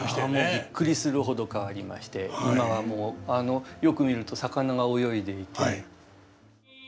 びっくりするほど変わりまして今はもうよく見ると魚が泳いでいて。